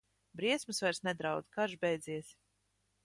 Briesmas vairs nedraud, karš beidzies.